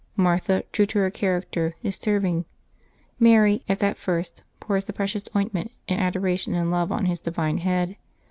Martha, true to her character, is serving: ^lary, as at first, pours the precious ointment, in adoration and love, on His divine head.